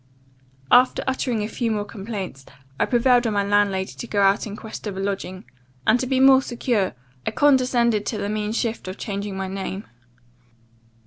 "After uttering a few more complaints, I prevailed on my landlady to go out in quest of a lodging; and, to be more secure, I condescended to the mean shift of changing my name.